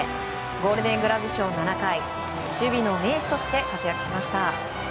ゴールデン・グラブ賞７回守備の名手として活躍しました。